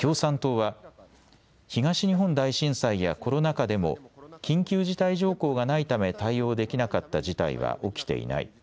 共産党は東日本大震災やコロナ禍でも緊急事態条項がないため対応できなかった事態は起きていない。